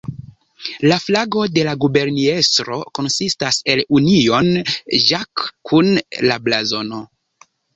La flago de la guberniestro konsistas el Union Jack kun la blazono.